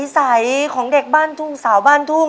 สักคนสิลม